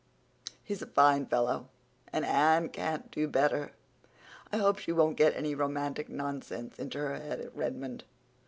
He's a fine fellow, and Anne can't do better. I hope she won't get any romantic nonsense into her head at Redmond.